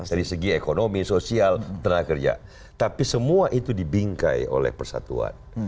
dari segi ekonomi sosial tenaga kerja tapi semua itu dibingkai oleh persatuan